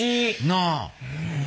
なあ。